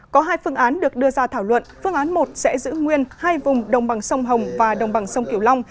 có hai phương án được đưa ra thảo luận phương án một sẽ giữ nguyên hai vùng đồng bằng sông hồng và đồng bằng sông kiểu long